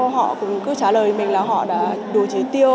họ cũng cứ trả lời mình là họ đã đủ trí tiêu